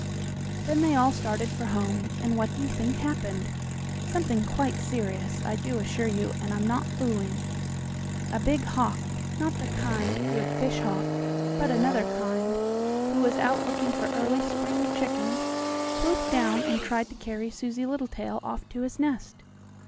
Then they all started for home, and what do you think happened? Something quite serious, I do assure you, and I'm not fooling. A big hawk, not the kind, good fish hawk, but another kind, who was out looking for early spring chickens, swooped down and tried to carry Susie Littletail off to his nest.